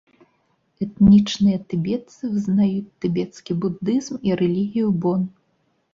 Этнічныя тыбетцы вызнаюць тыбецкі будызм і рэлігію бон.